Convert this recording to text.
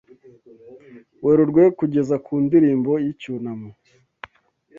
Werurwe kugeza ku ndirimbo y'icyunamo